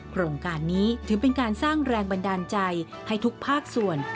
โครงการนี้ถือเป็นการสร้างแรงบันดาลใจให้ทุกภาคส่วน